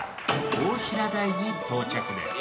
大平台に到着です。